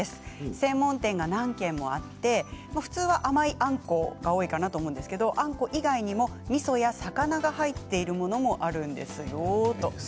専門店が何軒もあって普通は甘いあんこが多いかなと思うんですが、あんこ以外にもみそや魚が入っているものがあります。